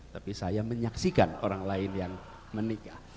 tapi saya menyaksikan orang lain yang menikah